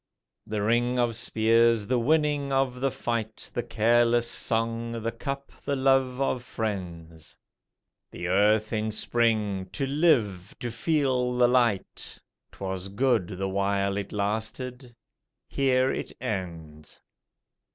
The ring of spears, the winning of the fight, The careless song, the cup, the love of friends, The earth in spring to live, to feel the light 'Twas good the while it lasted: here it ends.